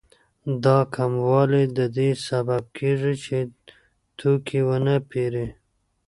دا کموالی د دې سبب کېږي چې توکي ونه پېري